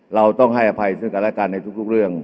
เราต้องให้อภัยซึ่งกันและกันในทุกเรื่อง